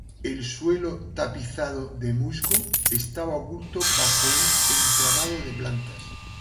El suelo tapizado de musgo estaba oculto bajo un entramado de plantas.